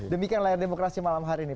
demikian layar demokrasi malam hari ini